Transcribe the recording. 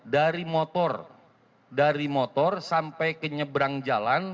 dari motor dari motor sampai ke nyebrang jalan